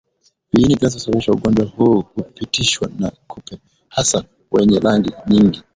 Viini vinavyosababisha ugonjwa huu hupitishwa na kupe hasa wenye rangi nyingi